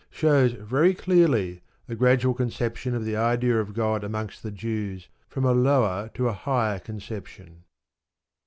_ shows very clearly the gradual evolution of the idea of God amongst the Jews from a lower to a higher conception.